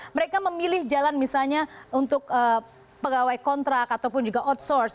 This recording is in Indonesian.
mereka memilih jalan misalnya untuk pegawai kontrak ataupun juga outsource